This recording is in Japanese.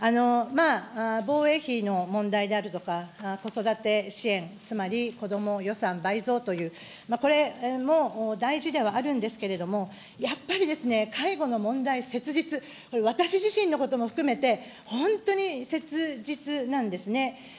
防衛費の問題であるとか、子育て支援、つまり、子ども予算倍増というこれも大事ではあるんですけれども、やっぱりですね、介護の問題、切実、これ、私自身のことも含めて、本当に切実なんですね。